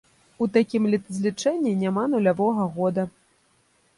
У такім летазлічэнні няма нулявога года.